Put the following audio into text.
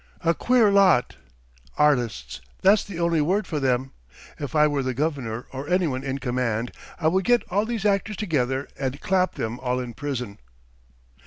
A queer lot! Artists, that's the only word for them! If I were the governor or anyone in command, I would get all these actors together and clap them all in prison."